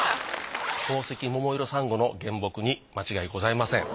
宝石モモイロサンゴの原木に間違いございません。